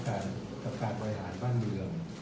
การกลับกันปร่อยหาดะเบียง